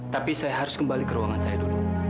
tapi saya harus kembali ke ruangan saya dulu